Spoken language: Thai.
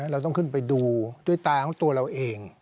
เราต้องขึ้นไปดูด้วยตาของตัวเราเอง